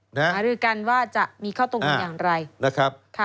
หรือการว่าจะมีข้อตรงนั้นอย่างไร